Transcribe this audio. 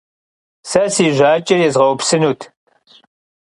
Se si jaç'er yêzğeupsınut.